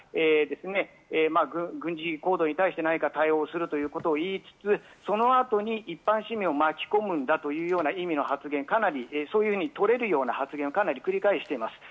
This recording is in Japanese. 北朝鮮はとりわけ保守政権、韓国で生まれてから軍事行動に対して何か対応するということを言いつつ、そのあとに一般市民を巻き込むんだというような意味の発言、かなりそういうふうにとれる発言を繰り返しています。